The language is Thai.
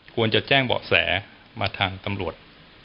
ควรจะแจ้งเบาะแสมาทางตำรวจ